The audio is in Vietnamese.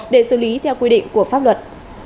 để xử lý theo quy định của pháp luật